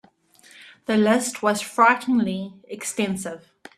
The list was frighteningly extensive.